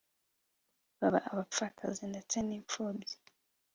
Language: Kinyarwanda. baba abapfakazi ndetse n’imfubyi